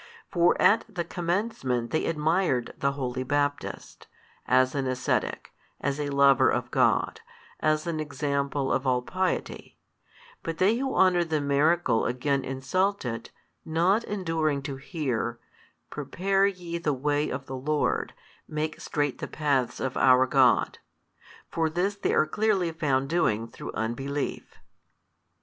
For at the commencement they admired the holy Baptist, as an ascetic, as a lover of God, as an example of all piety, but they who honour the miracle again insult it, not enduring to hear, Prepare ye the way of the Lord, make straight the paths of our God. For this they are clearly found doing through unbelief.